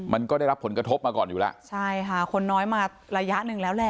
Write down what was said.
มันก็ได้รับผลกระทบมาก่อนอยู่แล้วใช่ค่ะคนน้อยมาระยะหนึ่งแล้วแหละ